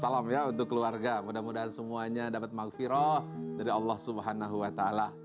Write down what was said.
salam ya untuk keluarga mudah mudahan semuanya dapat maghfirah dari allah swt